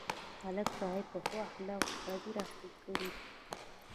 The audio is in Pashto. ملک صاحب په ښو اخلاقو پردي راخپل کړي دي.